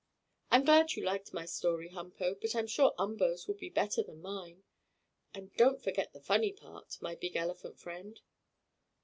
"I'm glad you liked my story, Humpo, but I'm sure Umboo's will be better than mine. And don't forget the funny part, my big elephant friend."